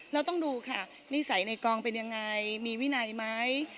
เราต้องดูค่ะนิสัยในกองเป็นยังไงมีวินัยไหม